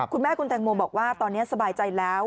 คุณแม่คุณแตงโมบอกว่าตอนนี้สบายใจแล้ว